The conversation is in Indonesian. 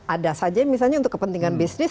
ada saja misalnya untuk kepentingan bisnis